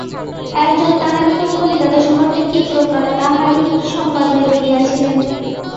একজন তাঁহার নিকট কলিকাতা শহরটা কী প্রকার তাহারই সংবাদ লইতে গিয়াছিলেন।